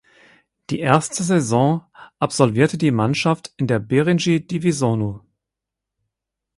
Die erste Saison absolvierte die Mannschaft in der Birinci Divizionu.